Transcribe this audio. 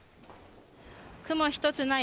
雲一つない